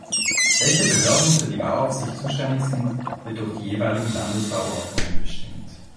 Welche Behörden für die Bauaufsicht zuständig sind, wird durch die jeweiligen Landesbauordnungen bestimmt.